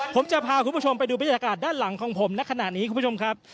ผมจะพาคุณผู้ชมไปดูบรรยากาศด้านหลังของผมในขณะนี้คุณผู้ชมครับ